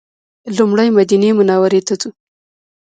لومړی مدینې منورې ته ځو.